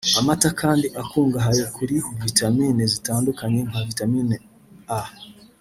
Amata kandi akungahaye kuri vitamine zitandukanye nka vitamine A